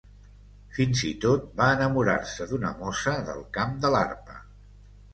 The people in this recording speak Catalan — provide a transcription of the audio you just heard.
Fins i tot va enamorar-se d'una mossa del camp de l'Arpa.